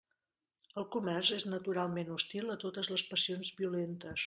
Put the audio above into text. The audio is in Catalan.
El comerç és naturalment hostil a totes les passions violentes.